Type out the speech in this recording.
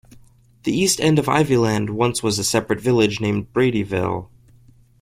The east end of Ivyland once was a separate village named Bradyville.